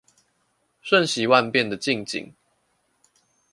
瞬息萬變的近景